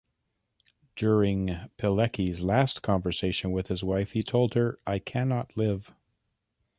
During Pilecki's last conversation with his wife he told her: I cannot live.